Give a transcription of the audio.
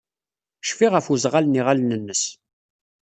Cfiɣ ɣef uẓɣal n yiɣallen-nnes.